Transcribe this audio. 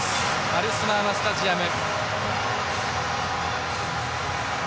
アルスマーマスタジアム。